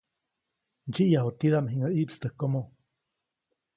Ndsyiʼyaju tidaʼm jiŋäʼ ʼiʼpstäjkomo.